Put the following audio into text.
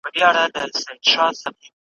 چي منزل له ټولو ورک وي کومي لاري ته سمیږو ,